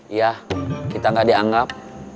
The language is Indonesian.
iya kita gak dianggap